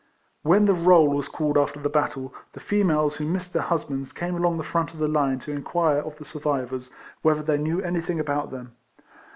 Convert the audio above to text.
When the roll was called after the battle, the females who missed their husbands came along the front of the line to inquire of the survivors whether they knew anything about them.